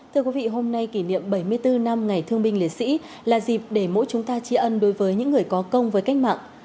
thưa quý vị hôm nay kỷ niệm bảy mươi bốn năm ngày thương binh liệt sĩ là dịp để mỗi chúng ta tri ân đối với những người có công với cách mạng